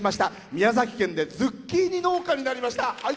宮崎県でズッキーニ農家になりました。